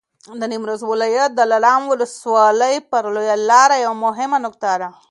د نیمروز ولایت دلارام ولسوالي پر لویه لاره یوه مهمه نقطه ده.